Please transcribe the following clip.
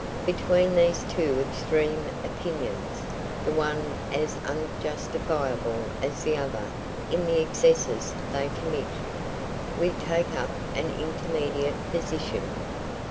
Between these two extreme opinions, the one as unjustifiable as the other in the excesses they commit, we take up an intermediate position.